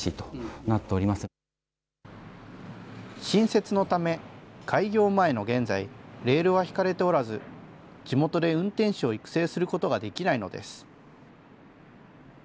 新設のため、開業前の現在、レールは引かれておらず、地元で運転士を育成することができないのです。